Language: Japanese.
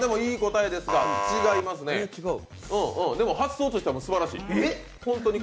発想としてはすばらしい。